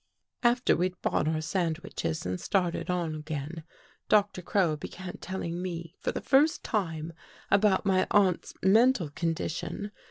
" After we'd bought our sandwiches and started on again. Doctor Crow began telling me, for the first time, about my aunt's mental condition.